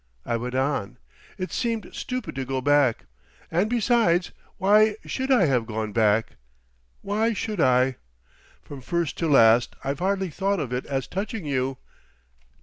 I went on. It seemed stupid to go back. And besides—why should I have gone back? Why should I? From first to last, I've hardly thought of it as touching you....